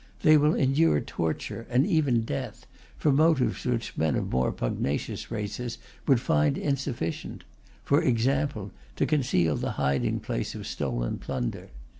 They will endure torture, and even death, for motives which men of more pugnacious races would find insufficient for example, to conceal the hiding place of stolen plunder.